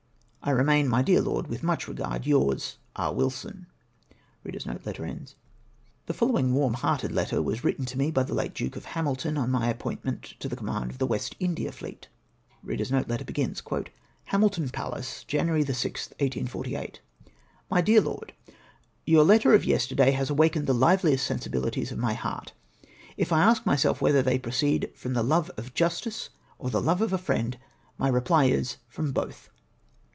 " I remain, my dear Lord, " With much regard, yours, " E. Wilson." The following warm hearted letter was written me by the late Duke of Hamilton on my appointment to the command of the West India fleet :—" Hamilton Palace, Jan. 6, 1848. "My DExVR Lord, — Your letter of yesterday has awakened the liveliest sensibilities of my heart. If I ask myself whether they proceed from the love of justice, or the love of a friend, my reply is, from both.